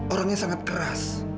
orangnya sangat keras